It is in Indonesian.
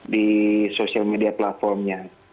di sosial media platformnya